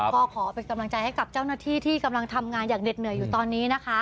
ก็ขอเป็นกำลังใจให้กับเจ้าหน้าที่ที่กำลังทำงานอย่างเด็ดเหนื่อยอยู่ตอนนี้นะคะ